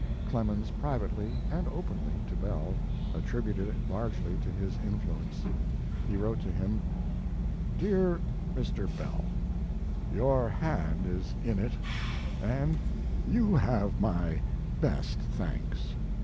Clemens privately and openly (to Bell) attributed it largely to his influence. He wrote to him: DEAR MR. BELL, Your hand is in it & you have my best thanks.